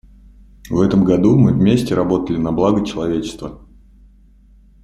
В этом году мы вместе работали на благо человечества.